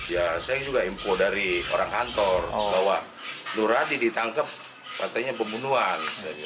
ya saya juga info dari orang kantor bahwa nuradi ditangkap katanya pembunuhan